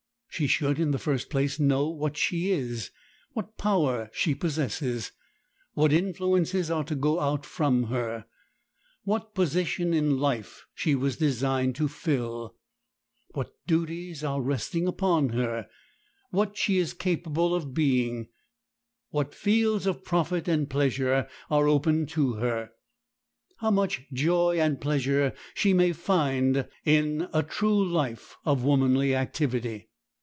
She should, in the first place, know what she is, what power she possesses, what influences are to go out from her, what position in life she was designed to fill, what duties are resting upon her, what she is capable of being, what fields of profit and pleasure are open to her, how much joy and pleasure she may find in a true life of womanly activity.